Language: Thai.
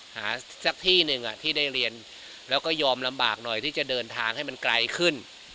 สักที่หนึ่งที่ได้เรียนแล้วก็ยอมลำบากหน่อยที่จะเดินทางให้มันไกลขึ้น